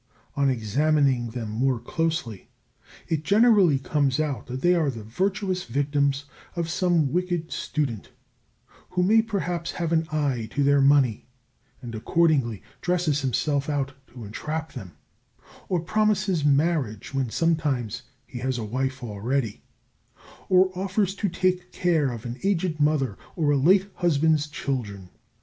On examining them more closely it generally comes out that they are the virtuous victims of some wicked student, who may perhaps have an eye to their money, and accordingly dresses himself out to entrap them, or promises marriage when sometimes he has a wife already, or offers to take care of an aged mother or a late husband's children.